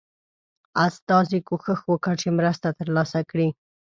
استازي کوښښ وکړ چې مرسته ترلاسه کړي.